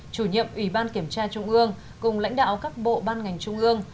chủ nhiệm ủy ban kiểm tra trung ương cùng lãnh đạo các bộ ban ngành trung ương